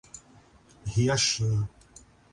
Riachinho